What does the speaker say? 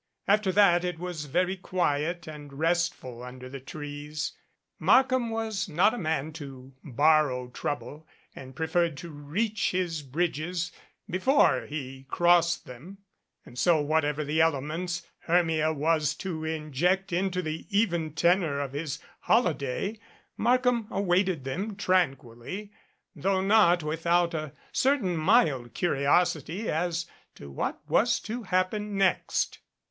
After that it was very quiet and restful under the trees. Markham was not a man to borrow trouble and pre ferred to reach his bridges before he crossed them, and so whatever the elements Hermia was to inject into the even tenor of his holiday, Markham awaited them tran quilly, though not without a certain mild curiosity as to what was to happen next.